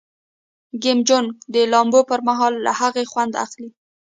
کیم جونګ د لامبو پر مهال له هغه خوند اخلي.